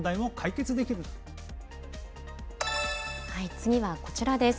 次はこちらです。